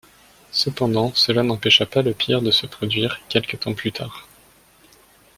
Cependant, cela n'empêcha pas le pire de se produire quelque temps plus tard.